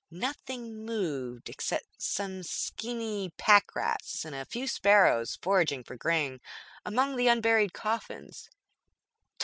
Nothing moved except some skinny packrats and a few sparrows foraging for grain among the unburied coffins.